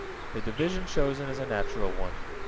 The division chosen is a natural one.